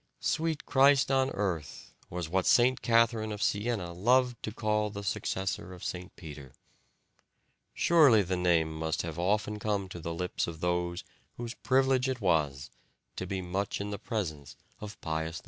"Sweet Christ on earth," was what St. Catherine of Siena loved to call the successor of St. Peter. Surely the name must have often come to the lips of those whose privilege it was to be much in the presence of Pius X.